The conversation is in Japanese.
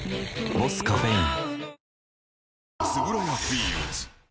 「ボスカフェイン」